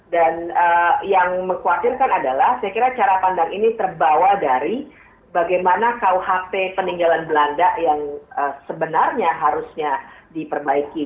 dan yang mengkhawatirkan adalah saya kira cara pandang ini terbawa dari bagaimana kau hape peninggalan belanda yang sebenarnya harusnya diperbaiki